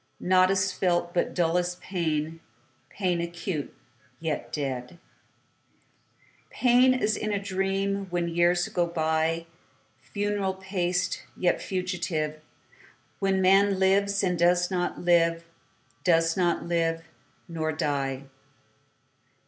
Naught is felt but dullest pain, Pain acute, yet dead; Pain as in a dream, When years go byFuneral paced, yet fugitive, When man lives, and doth not live, Doth not live—nor die.